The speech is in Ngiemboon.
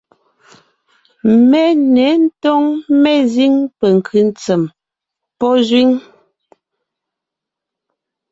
Mé ně ńtóŋ mezíŋ penkʉ́ ntsèm pɔ́ zẅíŋ.